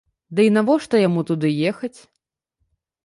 Дый навошта яму туды ехаць?